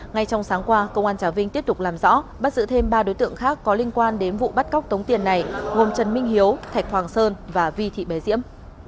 ngay trong sáng qua công an trà vinh tiếp tục làm rõ bắt giữ thêm ba đối tượng khác có liên quan đến vụ bắt cóc tống tiền này gồm trần minh hiếu thạch hoàng sơn và vi thị bé diễm